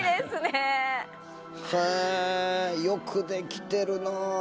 へえよくできてるなあ。